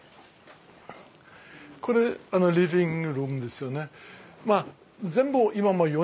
これリビングルームですよね。